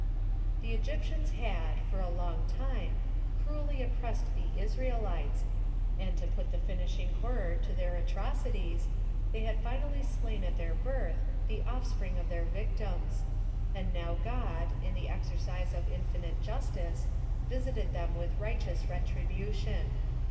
The Egytians had, for a long time, cruelly op pressed the Israelites, and to put the finishing hor ror to their atrocities, they had finally slain at their birth, the offspring of their victims : and now God, in the exercise of infinite justice, visited them witli righteous retribution.